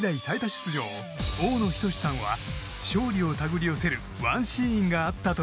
出場大野均さんは勝利を手繰り寄せるワンシーンがあったと